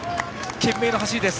懸命の走りです。